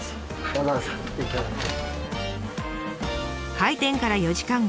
開店から４時間後。